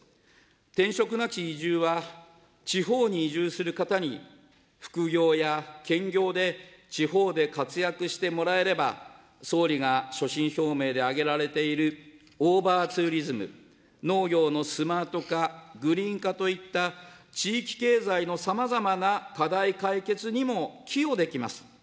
転職なき移住は地方に移住する方に、副業や兼業で、地方で活躍してもらえれば、総理が所信表明で挙げられているオーバーツーリズム、農業のスマート化、グリーン化といった、地域経済のさまざまな課題解決にも寄与できます。